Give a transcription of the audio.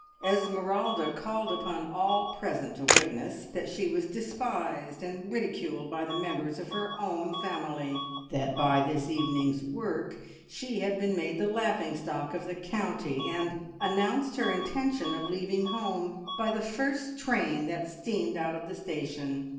Esmeralda called upon all present to witness that she was despised and ridiculed by the members of her own family; that by this evening's work she had been made the laughing stock of the county; and announced her intention of leaving home by the first train that steamed out of the station.